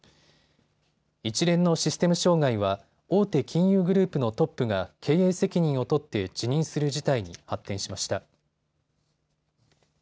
一連のシステム障害は大手金融グループのトップが経営責任を取って辞任する事態に発展しました。